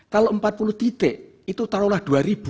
kalau empat puluh titik itu taruhlah dua ribu